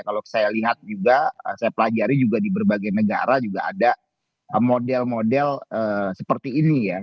kalau saya lihat juga saya pelajari juga di berbagai negara juga ada model model seperti ini ya